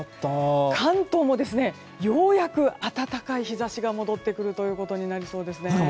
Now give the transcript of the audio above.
関東もようやく温かい日差しが戻ってくることになりそうですね。